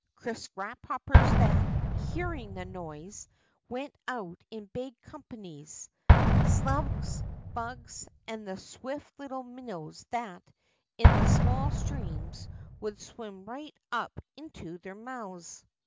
Crisp grasshoppers that, hearing the noise, went out in big companies, slugs, bugs, and the swift little minnows that, in the small streams, would swim right into their mouths.